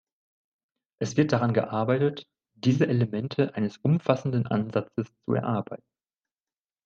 Es wird daran gearbeitet, diese Elemente eines umfassenden Ansatzes zu erarbeiten.